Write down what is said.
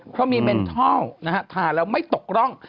เพราะมีเมนท่อลนะฮะทาแล้วไม่ตกร่อง